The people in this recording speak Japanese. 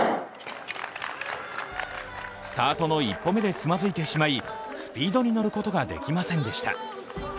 スタートの１歩目でつまずいてしまい、スピードに乗ることができませんでした。